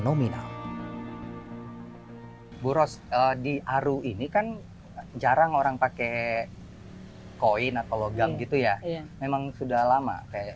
nominal bu ros di aru ini kan jarang orang pakai koin atau logam gitu ya memang sudah lama kayak